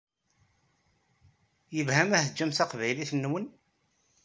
Yelha ma teǧǧam taqbaylit-nwen?